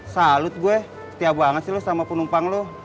salut gue setia banget sih lo sama penumpang lo